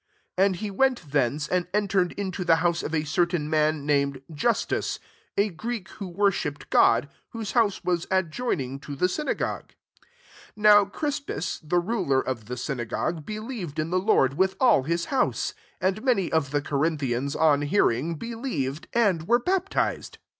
7 And he went thence, and entered into the house of a certain man named Justus, a Greek who worshipped God, whose house was adjoin^ ihg to the synagogue. 8 Now Crispus, the ruler of the syna gogue, believed in the Lord with all his house : and many of the Corinthians, on hearing, believed, and were baptized.